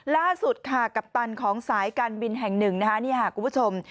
ล่าสุดค่ะกัปตันของสายการบินแห่งหนึ่งนะคะนี่ค่ะคุณผู้ชม